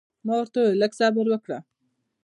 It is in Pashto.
ما ورته وویل لږ صبر وکړه.